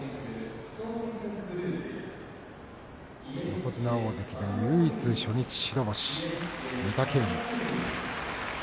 横綱大関で唯一、初日白星御嶽海です。